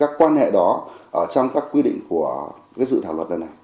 các quan hệ đó trong các quy định của cái dự thảo luật này này